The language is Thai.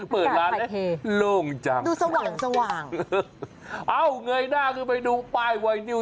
เปิดร้านแล้วโล่งจังดูสว่างสว่างเอ้าเงยหน้าขึ้นไปดูป้ายไวนิว